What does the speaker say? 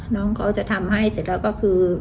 น้องเขาจะทำให้เสร็จแล้วก็คือ